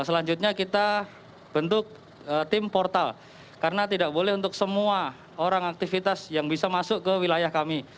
selanjutnya kita bentuk tim portal karena tidak boleh untuk semua orang aktivitas yang bisa masuk ke wilayah kami